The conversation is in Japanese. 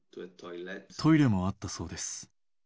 トイレもあったそうです。